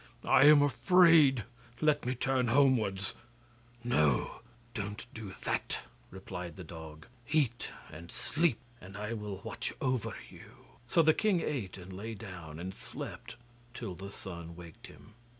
'I am afraid, let me turn homewards.' 'No, don't do that,' replied the dog. 'Eat and sleep, and I will watch over you.' So the king ate and lay down, and slept till the sun waked him.